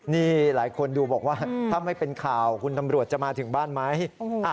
นี่หลายคนดูบอกว่าถ้าไม่เป็นข่าวคุณตำรวจจะมาถึงบ้านไหม